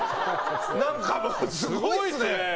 何かもうすごいっすね。